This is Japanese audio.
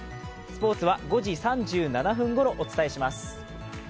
スポーツは５時３７分ごろお伝えします。